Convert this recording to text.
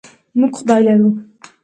موږ خدای لرو.